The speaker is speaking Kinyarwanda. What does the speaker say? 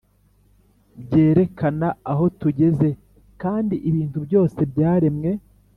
byerekana’ aho tugeze; kand’ ibintu byose byaremwe,